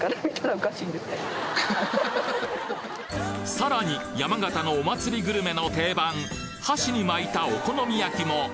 さらに山形のお祭りグルメの定番箸に巻いたお好み焼きも！